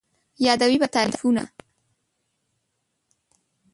یادوې به تعريفونه